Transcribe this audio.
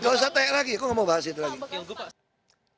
nggak usah tanya lagi kok nggak mau bahas itu lagi